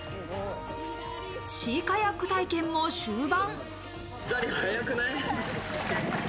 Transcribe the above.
シーカヤック体験も終盤。